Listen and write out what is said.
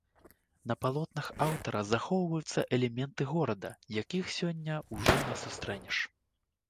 На палотнах аўтара захоўваюцца элементы горада, якіх сёння ўжо не сустрэнеш.